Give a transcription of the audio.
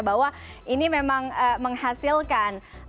bahwa ini memang menghasilkan